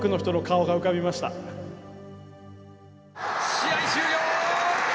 試合終了！